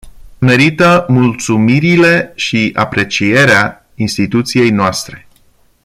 Merită mulțumirile și aprecierea instituției noastre.